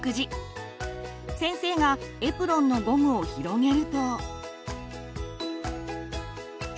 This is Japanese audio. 先生がエプロンのゴムを広げると。